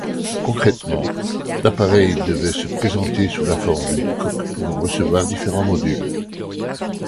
Concrètement, l'appareil devait se présenter sous la forme d'une coque pouvant recevoir différents modules.